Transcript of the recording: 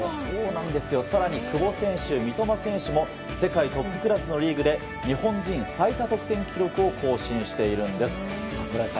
更に、久保選手、三笘選手も世界トップクラスのリーグで日本人最多得点記録を更新しているんです。